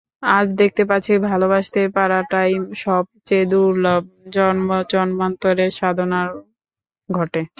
আজ দেখতে পাচ্ছি ভালোবাসতে পারাটাই সব চেয়ে দুর্লভ, জন্মজন্মান্তরের সাধনায় ঘটে।